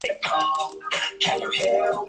父亲戈启宗。